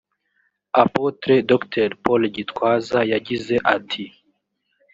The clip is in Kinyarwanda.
Apotre Dr Paul Gitwaza yagize ati